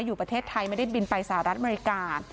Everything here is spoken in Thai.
อยู่ประเทศไทยไม่ได้บินไปสหรัฐอเมริกา